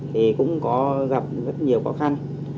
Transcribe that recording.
thì cũng có gặp rất nhiều khó khăn